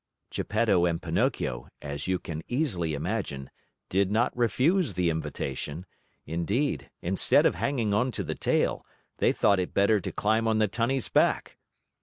Geppetto and Pinocchio, as you can easily imagine, did not refuse the invitation; indeed, instead of hanging onto the tail, they thought it better to climb on the Tunny's back.